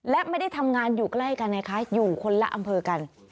และไม่ได้ทำงานอยู่ใกล้กันไงคะอยู่คนละอำเภอกัน